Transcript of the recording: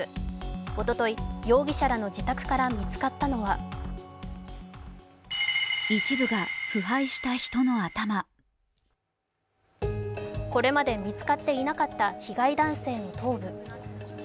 おととい、容疑者らの自宅から見つかったのはこれまで見つかっていなかった被害男性の頭部。